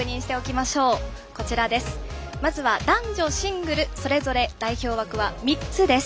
まずは男女シングルそれぞれ代表枠は３つです。